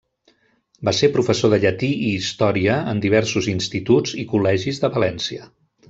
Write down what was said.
Va ser professor de llatí i història en diversos instituts i col·legis de València.